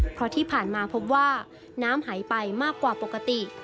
เพราะที่ผ่านมาพบว่าน้ำหายไปมากกว่าปกติ